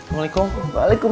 kamu kan punya pikiran